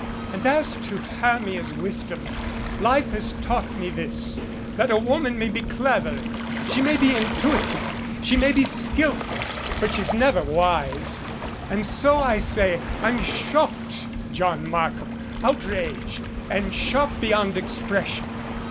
"And as to Hermia's wisdom life has taught me this that a woman may be clever, she may be intui tive, she may be skillful, but she's never wise. And so I say I'm shocked, John Markham, outraged and shocked beyond expression."